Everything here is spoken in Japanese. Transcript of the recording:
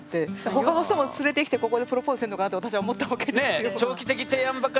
他の人も連れてきてここでプロポーズしてるのかなと私は思ったわけですよ。